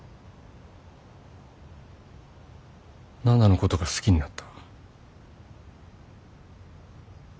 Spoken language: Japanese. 奈々のことが好きになった。